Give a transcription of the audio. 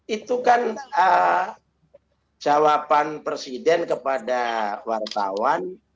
itu kan jawaban presiden kepada wartawan